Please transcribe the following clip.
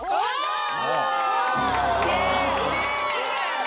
きれい。